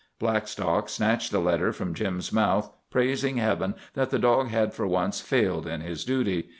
Blackstock snatched the letter from Jim's mouth, praising Heaven that the dog had for once failed in his duty.